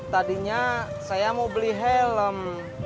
tadinya saya mau beli helm